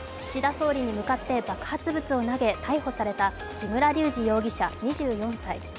総理に向かって爆発物を投げ、逮捕された木村隆二容疑者、２４歳。